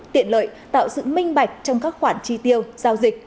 tiện lợi tạo sự minh bạch trong các khoản chi tiêu giao dịch